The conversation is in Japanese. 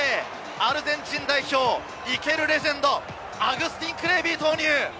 アルゼンチン代表、生けるレジェンド、アグスティン・クレービー投入。